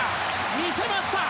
見せました！